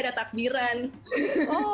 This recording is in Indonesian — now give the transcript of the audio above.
di sini nggak ada takbiran